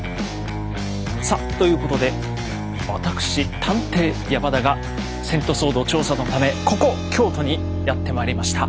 さあということでわたくし探偵・山田が遷都騒動調査のためここ京都にやってまいりました。